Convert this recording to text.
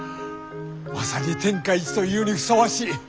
まさに天下一というにふさわしい。